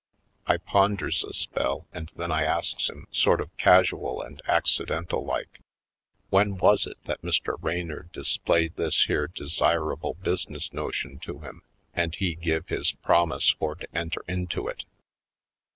I ponders a spell and then I asks him, sort of casual and accidental like, when was it that Mr. Raynor displayed this here desirable business notion to him and he give his promise for to enter into it?